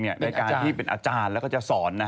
ในการที่เป็นอาจารย์แล้วก็จะสอน